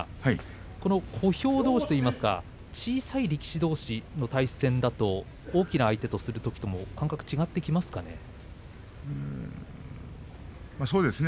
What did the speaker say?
この小兵どうしといいますか小さい力士どうしの対戦だと大きな相手とするときとそうですね。